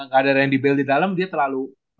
ga ada randy bell didalam dia terlalu